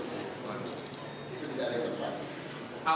itu tidak ada di depan